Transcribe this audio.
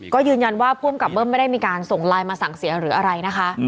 ก็ยืนยันว่าภูมิกับเบิ้มไม่ได้มีการส่งไลน์มาสั่งเสียหรืออะไรนะคะ